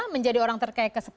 menjadi orang terkaya ke sepuluh